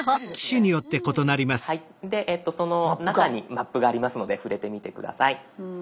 「マップ」がありますので触れてみて下さい。